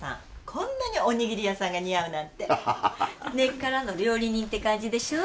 こんなにおにぎり屋さんが似合うなんて根っからの料理人って感じでしょ？